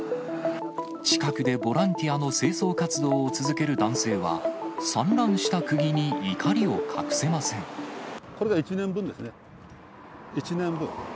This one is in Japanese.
近くでボランティアの清掃活動を続ける男性は、これが１年分ですね、１年分。